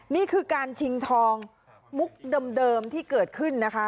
นี่คือการชิงทองมุกเดิมที่เกิดขึ้นนะคะ